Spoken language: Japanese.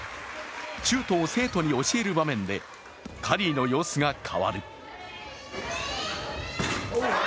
シュートを生徒に教える場面でカリーの様子が変わる。